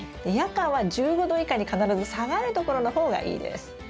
夜間は１５℃以下に必ず下がるところの方がいいです。